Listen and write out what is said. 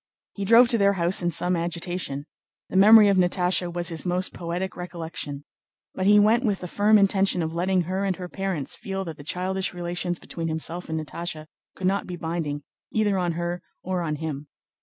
He drove to their house in some agitation. The memory of Natásha was his most poetic recollection. But he went with the firm intention of letting her and her parents feel that the childish relations between himself and Natásha could not be binding either on her or on him.